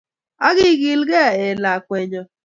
Akikilkee eeh lakwenyon